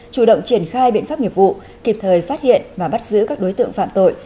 chủ động triển khai biện pháp nghiệp vụ kịp thời phát hiện và bắt giữ các đối tượng phạm tội